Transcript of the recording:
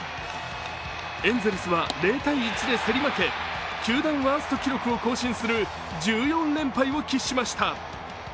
エンゼルスは０−１で競り負け球団ワースト記録を更新する１４連敗を喫しました。